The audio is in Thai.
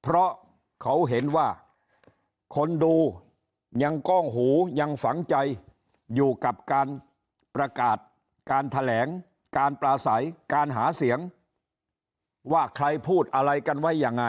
เพราะเขาเห็นว่าคนดูยังก้องหูยังฝังใจอยู่กับการประกาศการแถลงการปลาใสการหาเสียงว่าใครพูดอะไรกันไว้ยังไง